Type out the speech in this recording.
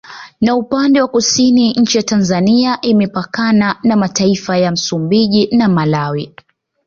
Na upande wa Kusini nchi ya Tanzania imepkana na mataifa ya Msumbiji na Malawi